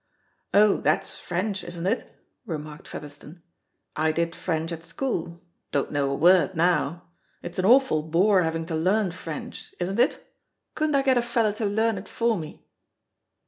"Oh, that's French, isn't it?" remarked Featherstone. "I did French at school; don't know a word now. It's an arful bore having to learn French, isn't it? Couldn't I get a feller to learn it for me?"